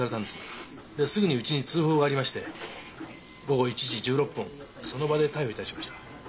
ですぐにうちに通報がありまして午後１時１６分その場で逮捕いたしました。